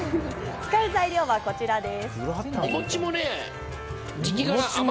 使う材料はこちらです。